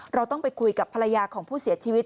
เราต้องไปคุยกับภรรยาของผู้เสียชีวิต